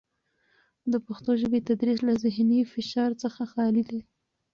د پښتو ژبې تدریس له زهني فشار څخه خالي دی.